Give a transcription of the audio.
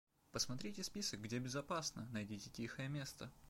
Посмотрите список, где безопасно, найдите тихое место.